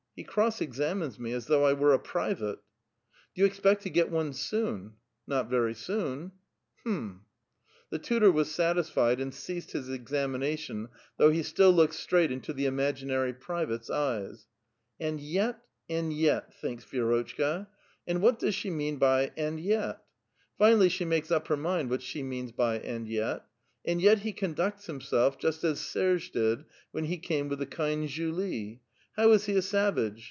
(He cross examines me as though I were a private !)"*' Do you expect to get one soon ?"" Not very soon." *' Hm !" The tutor was satisfied, and ceased his examination, though he still looked straight into the imaginary private's eyes. "And yet, — and 3*et," tbifiks Vi^rotchka; and what does she mean by "and yet"? Finally she makes up her mind what she means l)y "and yet." "And yet be con ducts himself just as Serge did when he came with the kind Julie. How is he a savage